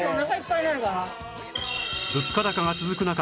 物価高が続く中